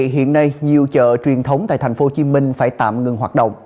hiện nay nhiều chợ truyền thống tại tp hcm phải tạm ngừng hoạt động